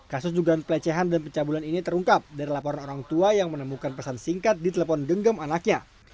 kasus dugaan pelecehan dan pencabulan ini terungkap dari laporan orang tua yang menemukan pesan singkat di telepon genggam anaknya